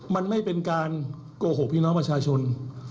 มันไม่เป็นการโกหกพี่น้องประชาชน